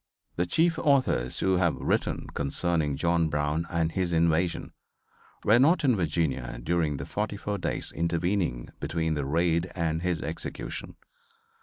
The chief authors who have written concerning John Brown and his invasion were not in Virginia during the forty four days intervening between the raid and his execution.